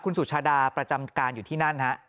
คุณสุชาดาประจำการอยู่ที่นั่นฮะ